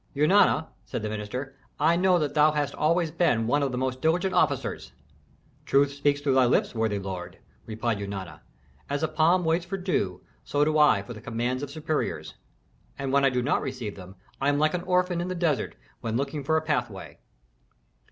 "Eunana," said the minister, "I know that thou hast always been one of the most diligent officers." "Truth speaks through thy lips, worthy lord," replied Eunana. "As a palm waits for dew, so do I for the commands of superiors. And when I do not receive them, I am like an orphan in the desert when looking for a pathway."